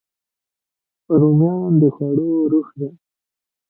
رومیان د خوړو روح دي